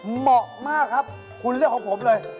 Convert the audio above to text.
เหมาะมากครับคุณเลือกของผมเลย